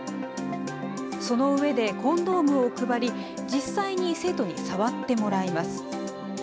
その上でコンドームを配り、実際に生徒に触ってもらいます。